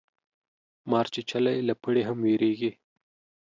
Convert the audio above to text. مار چیچلی له پړي هم ویریږي